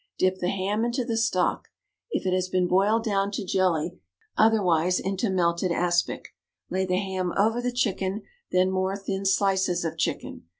Dip the ham into the stock (if it has been boiled down to jelly, otherwise into melted aspic), lay the ham over the chicken, then more thin slices of chicken.